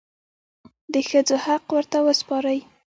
د ښځو حق ورته وسپارئ.